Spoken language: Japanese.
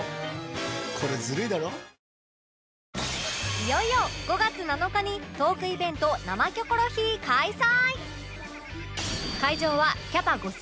いよいよ５月７日にトークイベント「生キョコロヒー」開催！